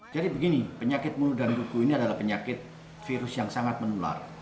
jadi begini penyakit mulut dan kuku ini adalah penyakit virus yang sangat menular